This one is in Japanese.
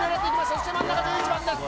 そして真ん中１１番です